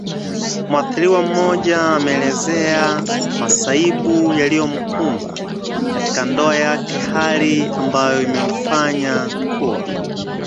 Mwathiriwa mmoja ameelezea masaibu yaliyomkumba katika ndoa yake hali ambayo imemfanya kuwa